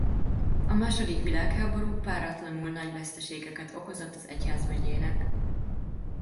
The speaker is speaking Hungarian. A második világháború páratlanul nagy veszteségeket okozott az egyházmegyének.